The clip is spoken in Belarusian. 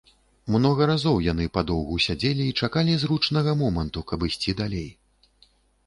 Многа разоў яны падоўгу сядзелі і чакалі зручнага моманту, каб ісці далей.